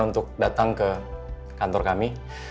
untuk datang ke kantor kami